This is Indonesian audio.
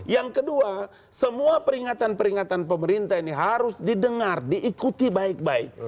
yang kedua semua peringatan peringatan pemerintah ini harus didengar diikuti baik baik